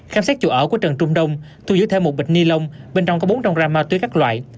khám sát chủ ở của trần trung đông thu giữ thêm một bịch ni lông bên trong có bốn trang ram ma túy các loại